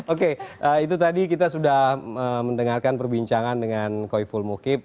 oke itu tadi kita sudah mendengarkan perbincangan dengan koi fulmukib